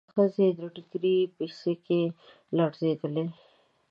د ښځې د ټکري پيڅکې لړزېدلې.